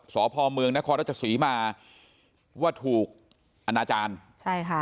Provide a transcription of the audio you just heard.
สพเมืองณครศมาว่าถูกอนาจารย์